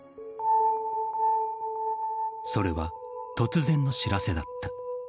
それは突然の知らせだった。